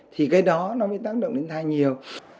thì cái đó nó mới tác động đến thai nhiều